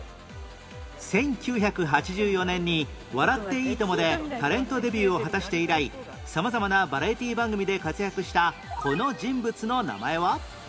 １９８４年に『笑っていいとも！』でタレントデビューを果たして以来様々なバラエティー番組で活躍したこの人物の名前は？